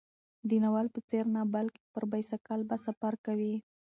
د ناول په څېر نه، بلکې پر بایسکل به سفر کوي.